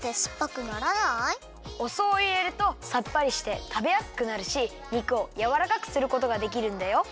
お酢をいれるとさっぱりしてたべやすくなるしにくをやわらかくすることができるんだよ。